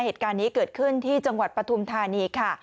เหตุการณ์นี้เกิดขึ้นที่จังหวัดปฐุมธานีค่ะ